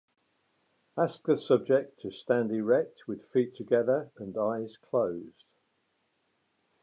Ask the subject to stand erect with feet together and eyes closed.